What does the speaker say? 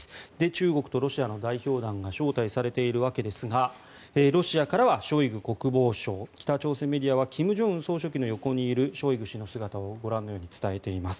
中国とロシアの代表団が招待されているわけですがロシアからはショイグ国防相北朝鮮メディアは金正恩総書記の横にいるショイグ氏の姿をご覧のように伝えています。